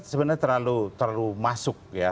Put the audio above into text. sebenarnya terlalu masuk ya